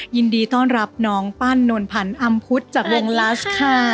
ยินดีต้อนรับน้องปั้นนวลพันธ์อำพุธจากวงลัสค่ะ